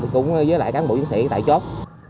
cũng như với lại cán bộ dân sĩ tại chốt